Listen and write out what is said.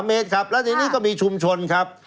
เมตรครับแล้วทีนี้ก็มีชุมชนครับ